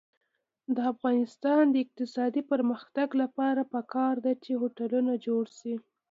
د افغانستان د اقتصادي پرمختګ لپاره پکار ده چې هوټلونه جوړ شي.